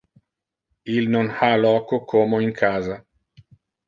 Il non ha loco como in casa.